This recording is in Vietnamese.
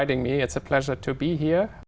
tôi nghĩ cách mà chúng ta cố gắng